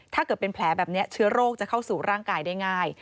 ถ้าเกิดเป็นแผลแบบนี้เชื้อโรคจะเข้าสู่ร่างกายได้ง่าย